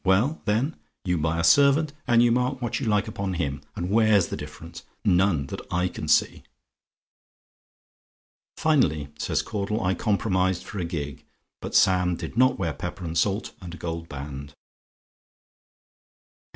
Well, then? You buy a servant, and you mark what you like upon him, and where's the difference? None, that I can see." "Finally," says Caudle, "I compromised for a gig; but Sam did not wear pepper and salt and a gold band." LECTURE XXXI MRS.